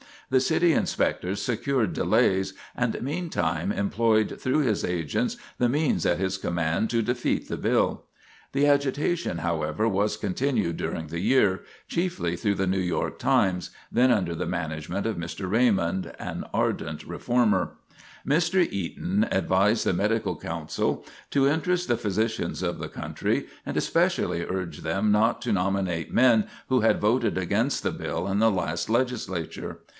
The City Inspector secured delays, and meantime employed through his agents the means at his command to defeat the bill. The agitation, however, was continued during the year, chiefly through the New York Times, then under the management of Mr. Raymond, an ardent reformer. [Sidenote: A Law Enacted and Sustained] Mr. Eaton advised the Medical Council to interest the physicians of the country, and especially urge them not to nominate men who had voted against the bill in the last Legislature.